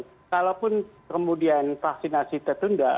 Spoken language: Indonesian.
dan walaupun kemudian vaksinasi tertunda